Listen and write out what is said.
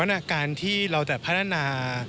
วันอาการที่เราแต่พัฒนา